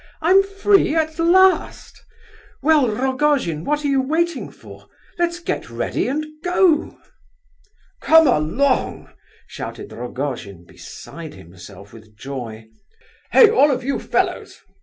I'm free at last! Well, Rogojin, what are you waiting for? Let's get ready and go." "Come along!" shouted Rogojin, beside himself with joy. "Hey! all of you fellows!